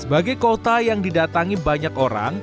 sebagai kota yang didatangi banyak orang